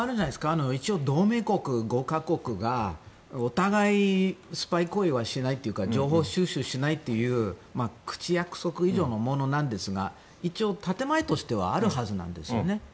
あと、一応同盟国５か国がお互いスパイ行為はしないというか情報収集をしないという口約束以上のものなんですが一応建前としてはあるはずなんですよね。